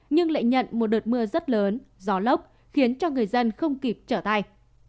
nhưng lại nhận một đợt mưa rất lớn gió lốc khiến cho người dân không kịp trở tay